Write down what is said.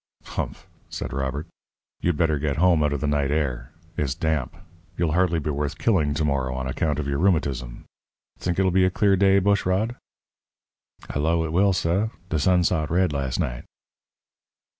"Humph!" said Robert. "You better get home out of the night air. It's damp. You'll hardly be worth killing to morrow on account of your rheumatism. Think it'll be a clear day, Bushrod?" "I 'low it will, suh. De sun sot red las' night."